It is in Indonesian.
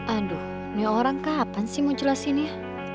aduh ini orang kapan sih mau jelasinnya